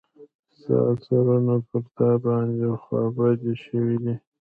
ستا ترونه پر تا باندې خوا بدي شوي دي.